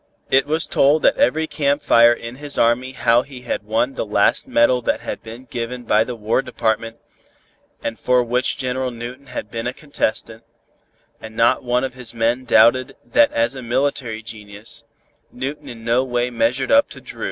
It was told at every camp fire in his army how he had won the last medal that had been given by the War Department and for which General Newton had been a contestant, and not one of his men doubted that as a military genius, Newton in no way measured up to Dru.